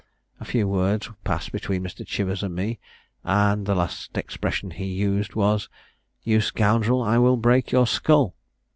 A few words passed between Mr. Chivers and me; and the last expression he used was, 'You scoundrel, I will break your skull.'